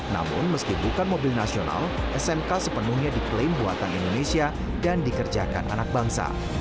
namun meski bukan mobil nasional smk sepenuhnya diklaim buatan indonesia dan dikerjakan anak bangsa